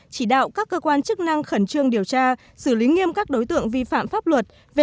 chỉ đạo các cơ quan chức năng khẩn trương điều tra xử lý nghiêm các đối tượng vi phạm pháp luật